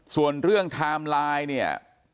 ส่วนเรื่องไทม์ไลน์เนี่ย